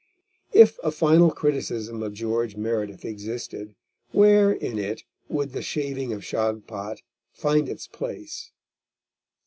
If a final criticism of George Meredith existed, where in it would The Shaving of Shagpat find its place?